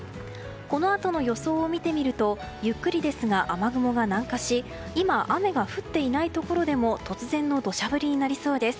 このあとの予想を見てみるとゆっくりですが雨雲が南下し今、雨が降っていないところでも突然のどしゃ降りになりそうです。